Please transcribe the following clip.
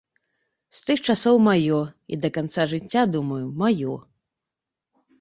З тых часоў маё і да канца жыцця, думаю, маё.